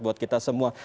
buat kita semua